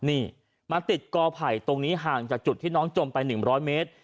นี่มาติดกอไผ่ตรงนี้ห่างจากจุดที่น้องจมไป๑๐๐เมตร